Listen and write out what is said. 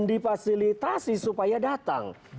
difasilitasi supaya datang